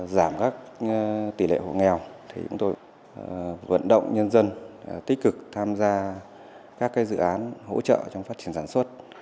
giảm các tỷ lệ hộ nghèo thì chúng tôi vận động nhân dân tích cực tham gia các dự án hỗ trợ trong phát triển sản xuất